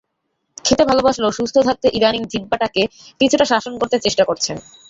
খেতে ভালোবাসলেও, সুস্থ থাকতে ইদানীং জিহ্বাটাকে কিছুটা শাসন করতে চেষ্টা করছেন।